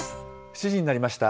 ７時になりました。